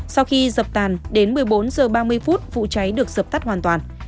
sau khi dập tàn đến một mươi bốn h ba mươi phút vụ cháy được dập tắt hoàn toàn